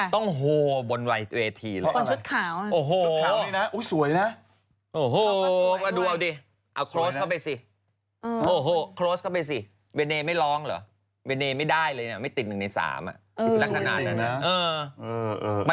ต้องโฮบนวายเวทีเลยโฮโฮนี่น่ะสวยน่ะ